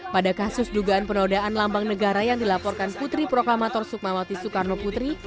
pada kasus dugaan penodaan lambang negara yang dilaporkan putri proklamator sukmawati soekarno putri